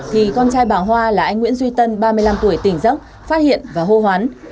thì con trai bà hoa là anh nguyễn duy tân ba mươi năm tuổi tỉnh dốc phát hiện và hô hoán